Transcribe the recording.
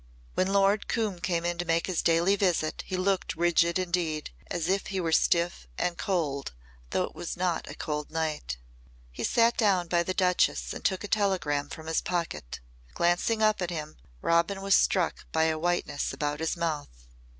When Lord Coombe came in to make his daily visit he looked rigid indeed as if he were stiff and cold though it was not a cold night. He sat down by the Duchess and took a telegram from his pocket. Glancing up at him, Robin was struck by a whiteness about his mouth.